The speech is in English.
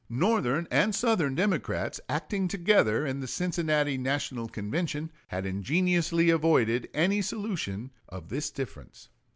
Northern and Southern Democrats, acting together in the Cincinnati National Convention, had ingeniously avoided any solution of this difference.